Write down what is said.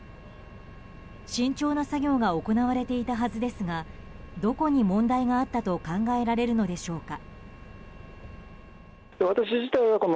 慎重な作業が行われていたはずですがどこに問題があったと考えられるのでしょうか。